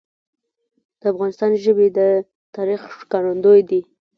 د افغانستان ژبي د تاریخ ښکارندوی دي.